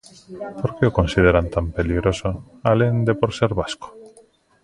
Por que o consideran tan perigoso, alén de por ser vasco?